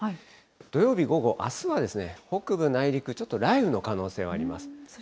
土曜日午後、あすは北部内陸、ちょっと雷雨の可能性はあります。